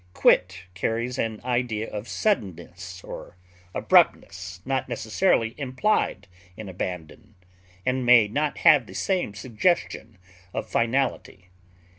Quit carries an idea of suddenness or abruptness not necessarily implied in abandon, and may not have the same suggestion of finality.